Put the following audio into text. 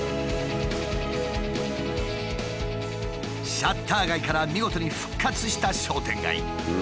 シャッター街から見事に復活した商店街。